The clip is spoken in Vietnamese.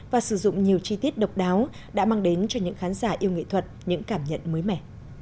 và sử dụng nhiều chi tiết độc đáo đã mang đến cho những khán giả yêu nghệ thuật những cảm nhận mới mẻ